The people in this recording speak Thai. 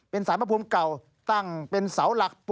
เป็นสารพระภูมิเก่าตั้งเป็นเสาหลัก